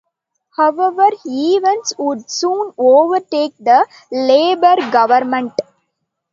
However, events would soon overtake the Labour government.